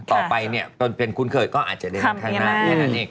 ต่อไปเนี่ยเป็นคุณเคยก็อาจจะเริ่มต้นในนั่งข้างหน้า